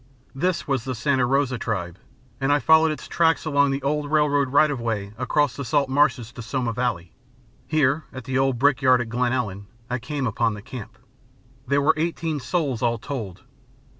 This was the Santa Rosa Tribe, and I followed its track along the old railroad right of way across the salt marshes to Sonoma Valley. Here, at the old brickyard at Glen Ellen, I came upon the camp. There were eighteen souls all told.